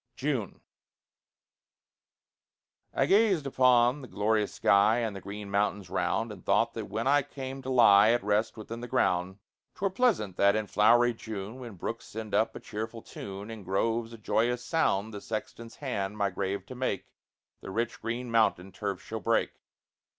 1855 JUNE I gazed upon the glorious sky And the green mountains round; And thought that when I came to lie At rest within the ground, 'Twere pleasant that in flowery June, When brooks send up a cheerful tune And groves a joyous sound, The sexton's hand, my grave to make, The rich green mountain turf should break.